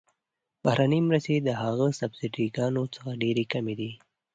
بهرنۍ مرستې د هغه سبسایډي ګانو څخه ډیرې کمې دي.